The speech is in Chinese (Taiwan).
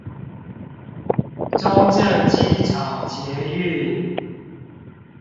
中正機場捷運